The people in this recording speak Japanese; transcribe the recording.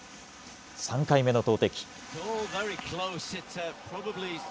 ３回目の投てき。